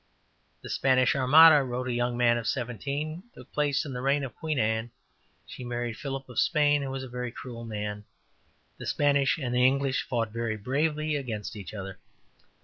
'' ``The Spanish Armada,'' wrote a young man of seventeen, ``took place in the reign of Queen Anne; she married Philip of Spain, who was a very cruel man. The Spanish and the English fought very bravely against each other.